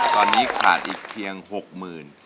ตอนนี้ขาดอีกเพียง๖๐๐๐บาท